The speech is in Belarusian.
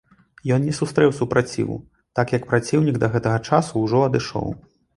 Ён не сустрэў супраціву, так як праціўнік да гэтага часу ўжо адышоў.